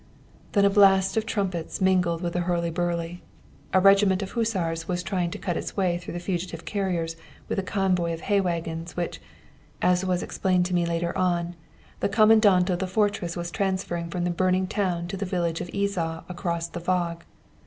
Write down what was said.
"Then the blast of trumpets mingled with the hurly burly. A regiment of Hussars was trying to cut its way through the fugitive carriages with a convoy of hay waggons, which, as was explained to me later on, the Commandant of the fortress was transferring from the burning town to the village of Izsa across the Waag.